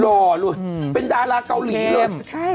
หล่อลูกเป็นดาราเกาหลีเลย